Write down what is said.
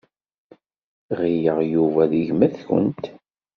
Ɣileɣ Yuba d gma-tkent.